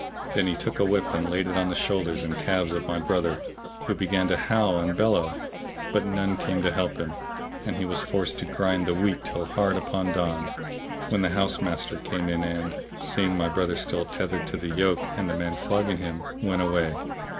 Then he took a whip and laid it on the shoulders and calves of my brother, who began to howl and bellow; but none came to help him; and he was forced to grind the wheat till hard upon dawn, when the house master came in and, seeing my brother still tethered to the yoke and the man flogging him, went away.